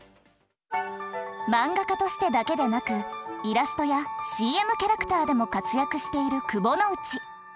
漫画家としてだけでなくイラストやＣＭキャラクターでも活躍している窪之内。